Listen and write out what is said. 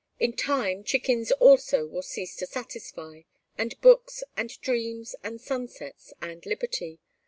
In time chickens also will cease to satisfy, and books, and dreams, and sunsets, and liberty.